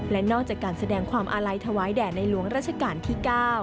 และนอกจากการแสดงความอาลัยถวายแด่ในหลวงราชการที่๙